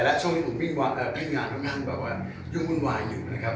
และช่วงนี้ผมปิ้งงานกำลังยุ่งวุ่นวายอยู่นะครับ